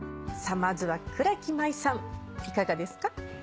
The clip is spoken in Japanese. まずは倉木麻衣さんいかがですか？